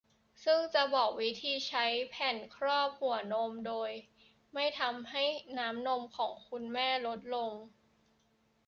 ซึ่งจะบอกวิธีใช้แผ่นครอบหัวนมโดยไม่ทำให้น้ำนมของคุณแม่ลดลง